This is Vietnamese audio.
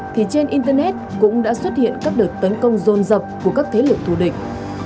thì trên internet cũng đã xuất hiện các đợt tấn công rôn rập của các thế lực thù địch